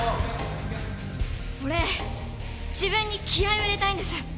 俺自分に気合を入れたいんです。